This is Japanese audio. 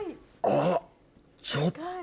あっちょっと。